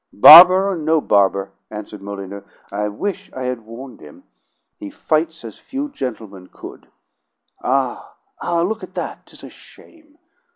"Barber or no barber," answered Molyneux, "I wish I had warned him. He fights as few gentlemen could. Ah ah! Look at that! 'Tis a shame!"